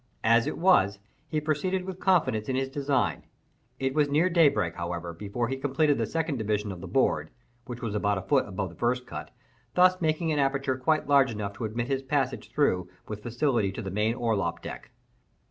As it was, he proceeded with confidence in his design. It was near daybreak, however, before he completed the second division of the board (which was about a foot above the first cut), thus making an aperture quite large enough to admit his passage through with facility to the main orlop deck.